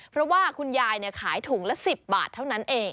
เพราะว่าคุณยายขายถุงละ๑๐บาทเท่านั้นเอง